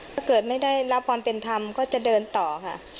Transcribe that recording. ถ้าเกิดไม่ได้รับความเป็นธรรมก็จะเดินต่อค่ะ